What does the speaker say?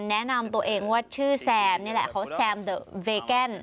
แนะนำตัวเองว่าชื่อแซมนี่แหละเขาแซมเดอะเวแกน